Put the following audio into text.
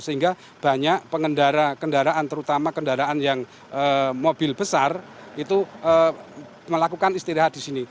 sehingga banyak pengendara kendaraan terutama kendaraan yang mobil besar itu melakukan istirahat di sini